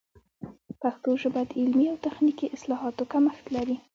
پښتو ژبه د علمي او تخنیکي اصطلاحاتو کمښت لري.